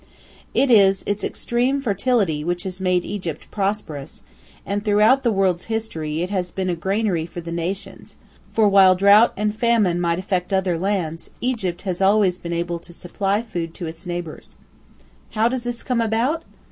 It is its extreme fertility which has made Egypt prosperous, and throughout the world's history it has been a granary for the nations, for while drought and famine might affect other lands, Egypt has always been able to supply food to its neighbours. How does this come about?